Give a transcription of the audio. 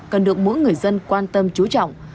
cần được mỗi người dân quan tâm trú trọng